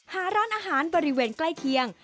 หาร้านอาหารบริเวณใกล้เคียง